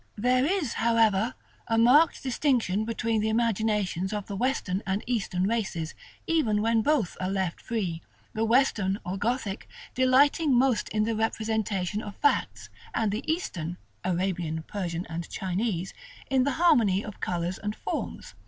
There is, however, a marked distinction between the imaginations of the Western and Eastern races, even when both are left free; the Western, or Gothic, delighting most in the representation of facts, and the Eastern (Arabian, Persian, and Chinese) in the harmony of colors and forms.